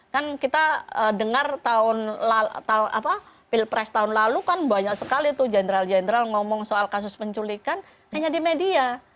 kan kita dengar pilpres tahun lalu kan banyak sekali tuh jenderal jenderal ngomong soal kasus penculikan hanya di media